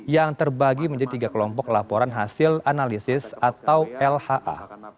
yang terbagi menjadi tiga kelompok laporan hasil analisis atau lha